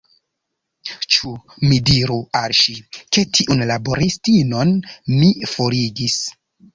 Ĉu mi diru al ŝi, ke tiun laboristinon mi forigis?